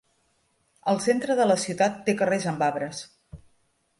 El centre de la ciutat té carrers amb arbres.